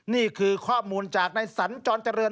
นี่คือข้อมูลจากในสรรจรเจริญ